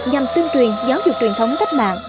nhằm tuyên truyền giáo dục truyền thống cách mạng